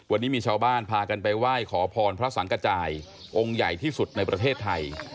วันนี้มีชาวบ้านพากันไปไหว้ขอพรพระสังกระจายองค์ใหญ่ที่สุดในประเทศไทย